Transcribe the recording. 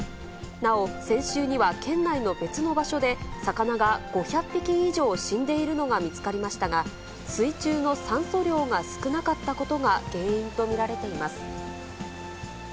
なお、先週には県内の別の場所で魚が５００匹以上死んでいるのが見つかりましたが、水中の酸素量が少なかったことが原因と見られています。